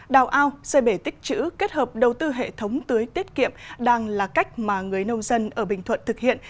đào ao xây bể tích chữ kết hợp đầu tư hệ thống tưới tiết kiệm đang là cách mà người nông dân ở bình thuận thực hiện